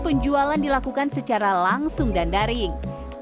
penjualan dilakukan secara langsung dan daring